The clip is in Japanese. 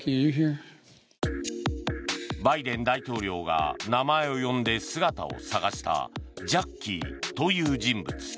バイデン大統領が名前を呼んで姿を探したジャッキーという人物。